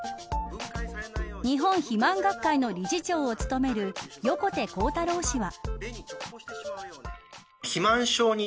日本肥満学会の理事長を務める横手幸太郎氏は。